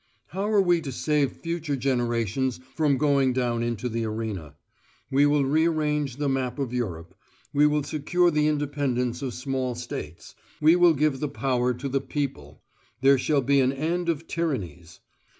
How are we to save future generations from going down into the arena? We will rearrange the map of Europe: we will secure the independence of small states: we will give the power to the people: there shall be an end of tyrannies.